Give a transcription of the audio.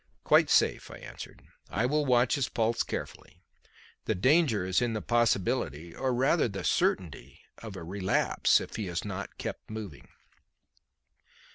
"Quite safe," I answered. "I will watch his pulse carefully. The danger is in the possibility, or rather certainty, of a relapse if he is not kept moving."